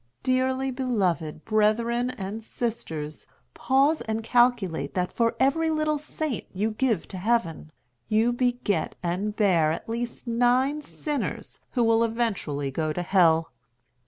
Dearly beloved brethren and sisters pause and calculate that for every little saint you give to heaven, you beget and bear at least nine sinners who will eventually go to hell.